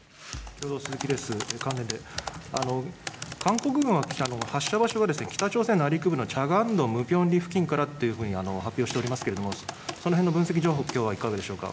関連で、韓国軍は、発射場所は北朝鮮内陸部のチャガン道ムピョンリ付近からというふうに発表しておりますけれども、そのへんの分析状況はいかがでしょうか。